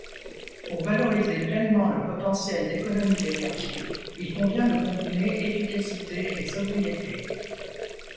Pour valoriser pleinement le potentiel d'économies d'énergie, il convient de combiner efficacité et sobriété.